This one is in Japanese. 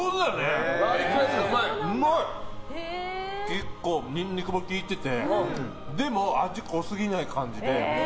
結構ニンニクも効いててでも、味は濃すぎない感じで。